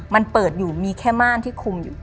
มันเปิดอยู่มีแค่ม่านที่คุมอยู่